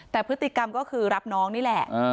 แต่พฤติกรรมก็คือรับน้องนี่แหละ